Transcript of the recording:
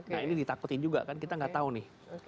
nah ini ditakutin juga kan kita nggak tahu nih